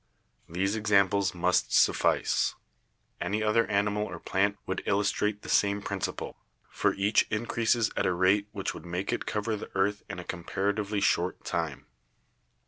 These examples must suffice. Any other animal or plant would illustrate the same principle, for each increases at a rate which would make it cover the earth in a compara tively short time.